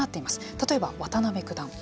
例えば、渡辺九段。